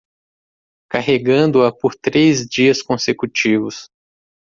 Carregando-a por três dias consecutivos